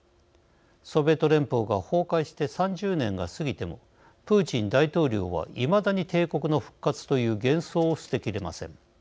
ソビエト連邦が崩壊して３０年が過ぎてもプーチン大統領はいまだに帝国の復活という幻想を捨てきれません。